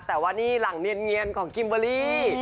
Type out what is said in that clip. แต่ว่านี่หลังเนียนของคิมเบอร์รี่